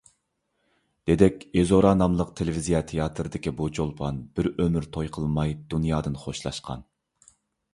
«دېدەك ئىزورا» ناملىق تېلېۋىزىيە تىياتىرىدىكى بۇ چولپان بىر ئۆمۈر توي قىلماي دۇنيادىن خوشلاشقان.